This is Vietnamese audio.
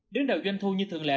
đứng đầu doanh thu như thường lệ